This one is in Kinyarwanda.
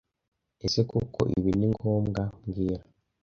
Ese koko ibi ni ngombwa mbwira